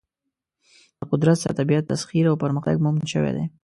په قدرت سره طبیعت تسخیر او پرمختګ ممکن شوی دی.